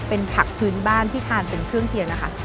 เป็นผักพื้นบ้านที่ทานเป็นเครื่องเคียงนะคะ